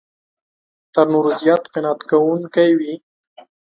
تر نورو زیات قناعت کوونکی وي.